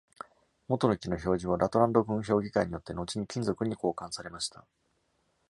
元の木の標示は、ラトランド郡評議会によって後に金属に交換されました。